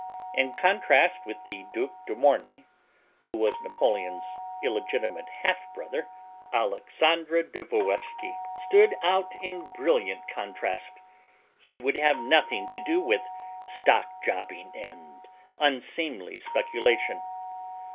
In contrast with the Duc de Morny, who was Napoleon's illegitimate half brother, Alexandre de Walewski stood out in brilliant contrast. He would have nothing to do with stock jobbing and unseemly speculation.